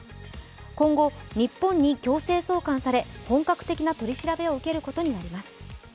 今後、日本に強制送還され本格的な取り調べを受けることになります。